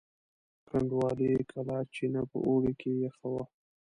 د کنډوالې کلا چینه په اوړي کې یخه وه.